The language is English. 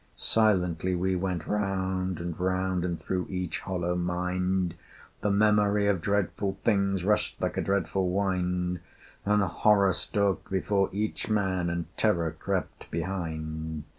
Silently we went round and round, And through each hollow mind The memory of dreadful things Rushed like a dreadful wind, An Horror stalked before each man, And terror crept behind.